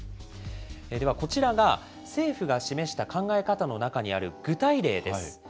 では、こちらが政府が示した考え方の中にある具体例です。